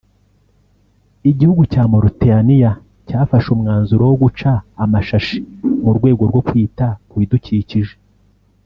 Igihugu cya Mauritania cyafashe umwanzuro wo guca amashashi mu rwego rwo kwita kubidukikije